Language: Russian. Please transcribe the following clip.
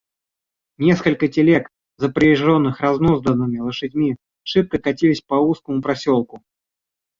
Несколько телег, запряженных разнузданными лошадьми, шибко катились по узкому проселку.